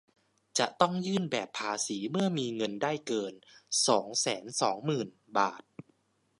จะต้องยื่นแบบภาษีเมื่อมีเงินได้เกิน สองแสนสองหมื่น บาท